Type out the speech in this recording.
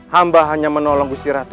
hamba hanya menolong gusti ratu